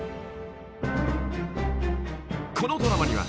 ［このドラマには］